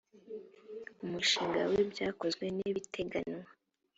umushinga w ibyakozwe n ibiteganywa